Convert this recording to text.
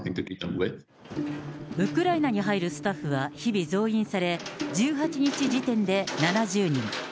ウクライナに入るスタッフは日々増員され、１８日時点で７０人。